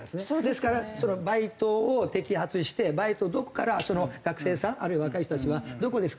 ですからそのバイトを摘発してバイトをどこから学生さんあるいは若い人たちはどこですか？